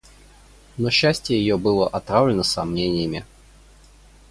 Но счастье ее было отравлено сомнениями.